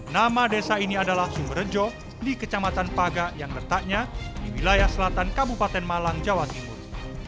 nama desa ini adalah sumberjo di kecamatan paga yang letaknya di wilayah selatan kabupaten malang jawa timur